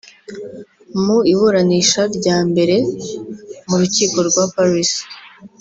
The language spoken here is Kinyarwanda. Mu iburanisha rya mbere mu rukiko rwa Paris